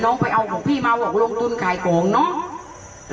ไปเอาของพี่มาบอกลงทุนขายของเนอะ